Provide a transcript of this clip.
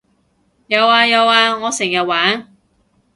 有呀有呀我成日玩